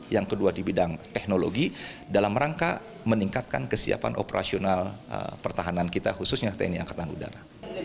yang kedua di bidang teknologi dalam rangka meningkatkan kesiapan operasional pertahanan kita khususnya tni angkatan udara